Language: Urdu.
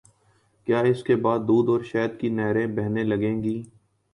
کیا اس کے بعد دودھ اور شہد کی نہریں بہنے لگیں گی؟